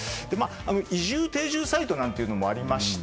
移住定住サイトなんていうのもありまして